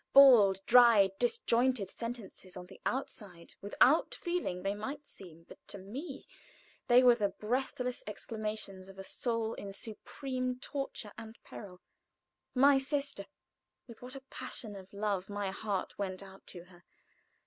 Bald, dry, disjointed sentences on the outside; without feeling they might seem, but to me they were the breathless exclamations of a soul in supreme torture and peril. My sister! with what a passion of love my heart went out to her.